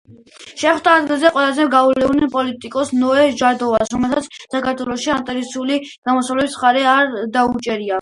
შეხვდა ადგილზე ყველაზე გავლენიან პოლიტიკოს ნოე ჟორდანიას, რომელმაც საქართველოში ანტირუსულ გამოსვლებს მხარი არ დაუჭირა.